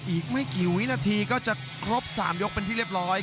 อีกไม่กี่วินาทีก็จะครบ๓ยกเป็นที่เรียบร้อย